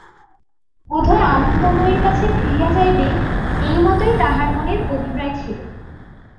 বোধ হয় আনন্দময়ীর কাছে ফিরিয়া যাইবে এইমতোই তাহার মনের অভিপ্রায় ছিল।